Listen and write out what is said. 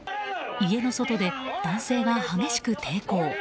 家の外で男性が激しく抵抗。